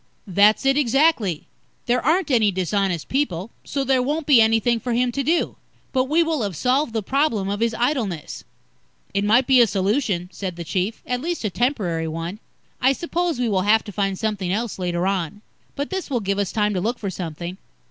"That's it, exactly. There aren't any dishonest people, so there won't be anything for him to do. But we will have solved the problem of his idleness." "It might be a solution," said the Chief. "At least, a temporary one. I suppose we will have to find something else later on. But this will give us time to look for something."